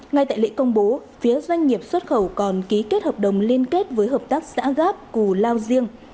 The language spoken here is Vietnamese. ngay tại lễ công bố phía doanh nghiệp xuất khẩu còn ký kết hợp đồng liên kết với hợp tác xã gap cù lao riêng